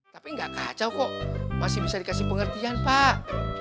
tapi nggak kacau kok masih bisa dikasih pengertian pak